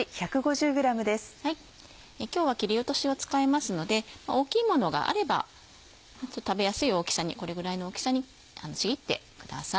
今日は切り落としを使いますので大きいものがあれば食べやすい大きさにこれぐらいの大きさにちぎってください。